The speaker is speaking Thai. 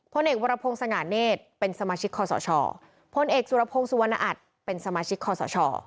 เอกวรพงศ์สง่าเนธเป็นสมาชิกคอสชพลเอกสุรพงศ์สุวรรณอัตย์เป็นสมาชิกคอสช